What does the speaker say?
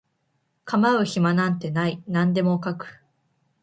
構う暇なんてない何でも描く